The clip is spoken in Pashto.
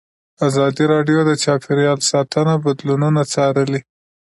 ازادي راډیو د چاپیریال ساتنه بدلونونه څارلي.